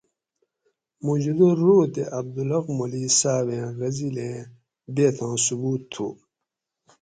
موجودہ رو تے عبدالحق مولئ صابیں غزِل ایں بیتاں ثبوت تھو